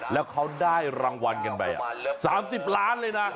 แล้วเขาได้รางวัลกันไป๓๐ล้านเลยนะ